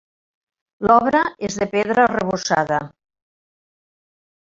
L'obra és de pedra arrebossada.